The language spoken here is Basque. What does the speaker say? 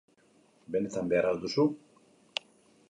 Benetan behar al duzu?